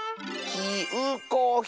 きうこひ！